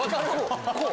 こう！